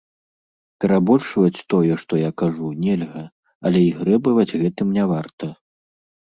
Перабольшваць тое, што я кажу, нельга, але і грэбаваць гэтым не варта.